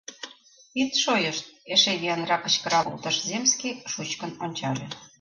— Ит шойышт! — эше виянрак кычкырал колтыш земский, шучкын ончале.